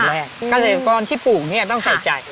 เกษตรกรที่ปลูกเนี่ยต้องใส่ใจ